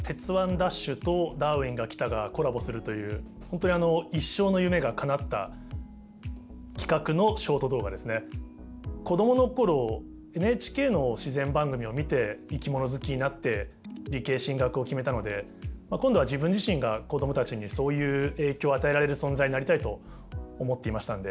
ＤＡＳＨ！！」と「ダーウィンが来た！」がコラボするという本当に子供の頃ＮＨＫの自然番組を見て生き物好きになって理系進学を決めたので今度は自分自身が子供たちにそういう影響を与えられる存在になりたいと思っていましたので。